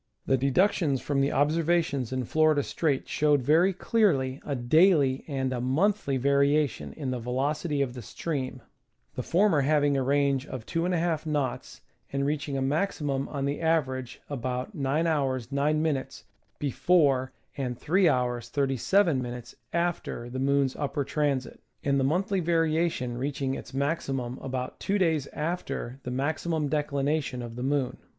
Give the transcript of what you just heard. The deductions from the observations in Florida Strait showed very clearly a daily and a nionthly variation in the velocity of the stream, the former having a range of 2^ knots, and reaching a maxi mum on the average about 9*^ 9™ before and ^^ 37"" after the moon's upper transit, and the monthly variation reaching its maximum about two days after the maximum declination of the moon.